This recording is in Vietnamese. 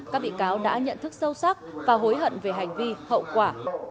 các bị cáo đã nhận thức sâu sắc và hối hận về hành vi hậu quả